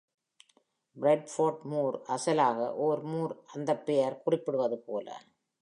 Bradford Moor அசலாக ஒரு moor, அந்தப் பெயர் குறிப்பிடுவது போல.